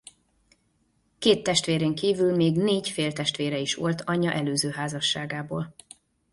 Két testvérén kívül még négy féltestvére is volt anyja előző házasságából.